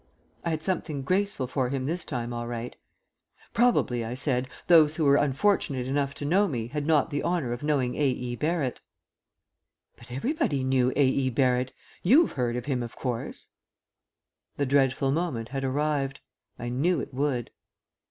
I had something graceful for him this time all right. "Probably," I said, "those who were unfortunate enough to know me had not the honour of knowing A. E. Barrett." "But everybody knew A. E. Barrett. You've heard of him, of course?" The dreadful moment had arrived. I knew it would.